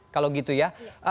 kalau gitu ya